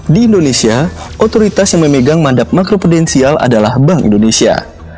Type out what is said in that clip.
di indonesia otoritas yang memegang mandap mikroprudensial adalah bank indonesia